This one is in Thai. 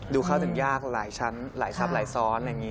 เข้าถึงยากหลายชั้นหลายทรัพย์หลายซ้อนอะไรอย่างนี้